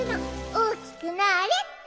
おおきくなれって。